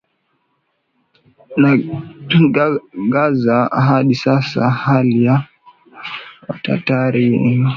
na Gagauz Hadi sasa hali ya Watatari wa Crimea